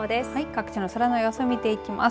各地の外の様子見ていきます。